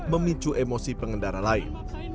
memicu emosi pengendara lain